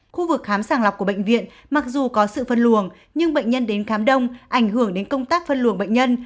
khu vực khám sàng lọc của bệnh viện mặc dù có sự phân luồng nhưng bệnh nhân đến khám đông ảnh hưởng đến công tác phân luồng bệnh nhân